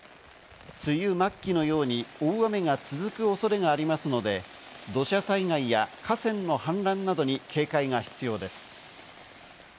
梅雨末期のように大雨が続く恐れがありますので、土砂災害や河川の氾濫などに警戒が必要です。